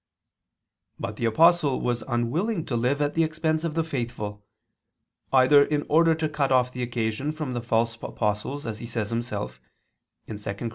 But the Apostle was unwilling to live at the expense of the faithful, either in order to cut off the occasion from the false apostles as he himself says (2 Cor.